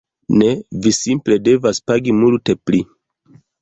Ne, vi simple devas pagi multe pli